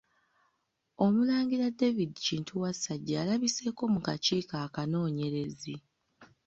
Omulangira David Kintu Wasajja alabiseeko mu kakiiko akanoonyerezi.